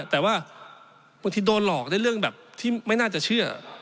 แต่ว่าบางทีโดนหลอกในเรื่องแบบที่ไม่น่าจะเชื่อ